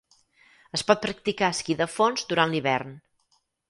Es pot practicar esquí de fons durant l'hivern.